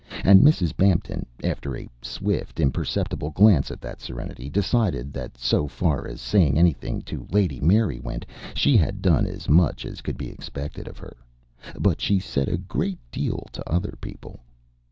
And Mrs. Bampton, after a swift, imperceptible glance at that serenity, decided that so far as saying anything to Lady Mary went, she had done as much as could be expected of her. But she said a great deal to other people.